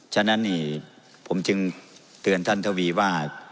ฉะนั้นนี่ผมจึงเตือนท่านทวีว่า